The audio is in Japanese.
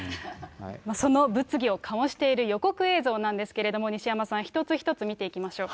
その物議を醸している予告映像なんですけども、西山さん、一つ一つ見ていきましょうか。